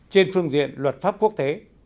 trên phương diện luật pháp quốc tế